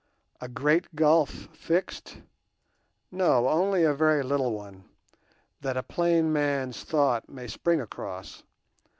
A great gulf fixed? No, only a very little one, that a plain man's thought may spring across.